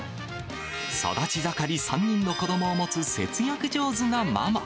育ち盛り３人の子どもを持つ節約上手なママ。